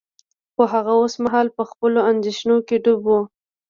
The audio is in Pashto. خو هغه اوس مهال په خپلو اندیښنو کې ډوب و